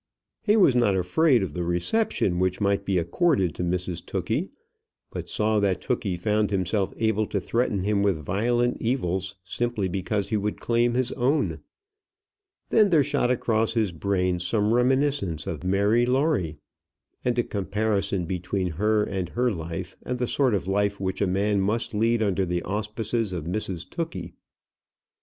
He was not afraid of the reception which might be accorded to Mrs Tookey, but saw that Tookey found himself able to threaten him with violent evils, simply because he would claim his own. Then there shot across his brain some reminiscence of Mary Lawrie, and a comparison between her and her life and the sort of life which a man must lead under the auspices of Mrs Tookey.